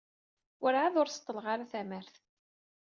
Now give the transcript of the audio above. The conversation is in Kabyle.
Werɛad ur seḍḍleɣ ara tamart.